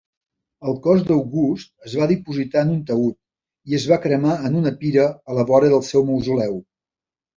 El cos d'August es va dipositar en un taüd i es va cremar en una pira a la vora del seu mausoleu.